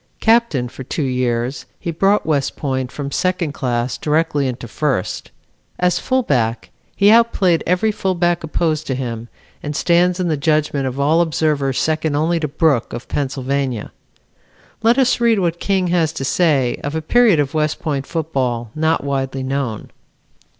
Captain for two years he brought West Point from second class directly into first. As fullback he outplayed every fullback opposed to him and stands in the judgment of all observers second only to Brooke of Pennsylvania. Let us read what King has to say of a period of West Point football not widely known.